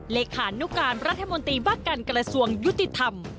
เลขานุการรัฐมนตรีว่าการกระทรวงยุติธรรม